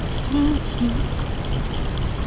要安抚她的心情